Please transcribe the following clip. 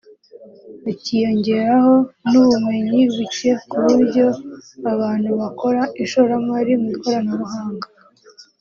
hakiyongeraho n’ubumenyi buke ku buryo abantu bakora ishoramari mu ikoranabuhanga